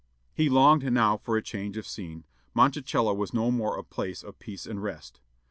He longed now for a change of scene; Monticello was no more a place of peace and rest.